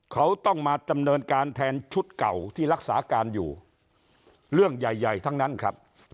เขาต้องมาดำเนินการแทนชุดเก่าที่รักษาการอยู่เรื่องใหญ่ใหญ่ทั้งนั้นครับ